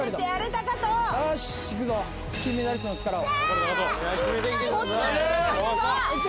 よし、金メダリストの力を。